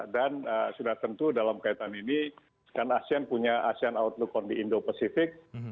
dan sudah tentu dalam kaitan ini kan asean punya asean outlook on di indo pasifik